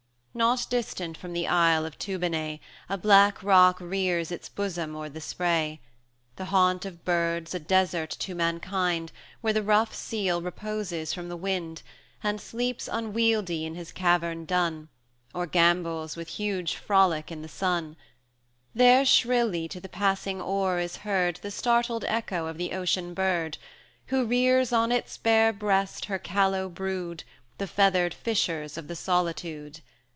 II. Not distant from the isle of Toobonai, A black rock rears its bosom o'er the spray, 10 The haunt of birds, a desert to mankind, Where the rough seal reposes from the wind, And sleeps unwieldy in his cavern dun, Or gambols with huge frolic in the sun: There shrilly to the passing oar is heard The startled echo of the Ocean bird, Who rears on its bare breast her callow brood, The feathered fishers of the solitude.